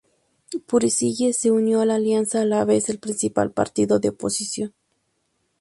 Puricelli se unió a la Alianza, a la vez el principal partido de oposición.